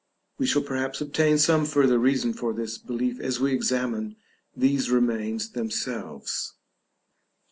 We shall perhaps obtain some further reason for this belief as we examine these remains themselves.